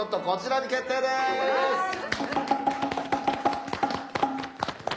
こちらに決定です。